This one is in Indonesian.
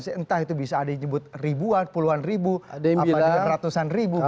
entah itu bisa ada yang nyebut ribuan puluhan ribu ratusan ribu